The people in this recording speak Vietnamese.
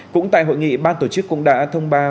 cũng tại hội nghị ban tổ chức cũng đã thông báo